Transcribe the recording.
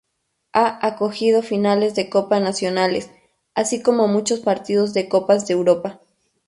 Ha acogido finales de copa nacionales, así como muchos partidos de Copas de Europa.